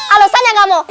alasannya gak mau